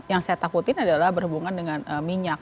yang saya takutin adalah berhubungan dengan minyak